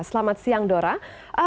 selamat siang dora